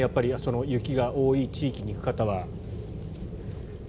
雪が多い地域に行く方は。